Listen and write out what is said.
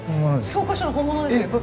教科書の本物ですよ。